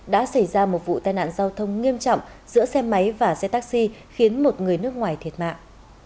đã xảy ra một vụ tai nạn giao thông nghiêm trọng giữa xe máy và xe taxi khiến một người nước ngoài thiệt mạng